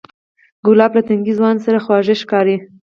ګلاب له تنکي ځوان سره خواږه ښکاري.